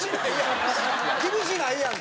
厳しないやん！